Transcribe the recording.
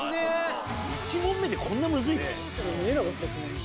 １問目でこんなムズいの？